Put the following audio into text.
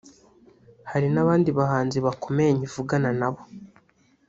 hari n’abandi bahanzi bakomeye nkivugana na bo